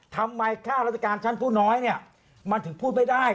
ทำไมข้ารัฐกาลชั้นพูดน้อยเนี่ยมันถึงพูดไม่ได้